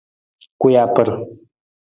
Kuyabre.